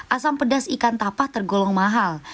asam pedas ikan tapak tergolong mahal